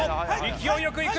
勢いよくいく！